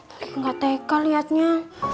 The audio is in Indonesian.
tadi ga teka liatnya